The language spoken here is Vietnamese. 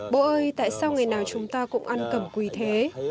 bố ơi tại sao ngày nào chúng ta cũng ăn cầm quỳ thế